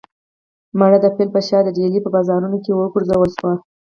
مړی د پیل په شا د ډیلي په بازارونو کې وګرځول شو.